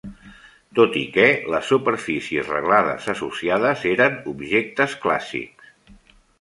Tot i que, les superfícies reglades associades eren objectes clàssics.